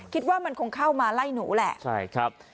คิดว่ามันคงเข้ามาไล่หนูแหละใช่ครับ